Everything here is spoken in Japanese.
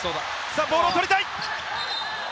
ボールを取りたい。